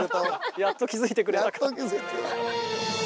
やっと気付いてくれた。